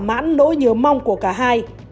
thỏa mãn nỗi nhớ mong của cả hai